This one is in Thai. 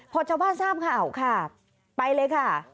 พอชาวบ้านทราบข่าวค่ะไปเลยค่ะ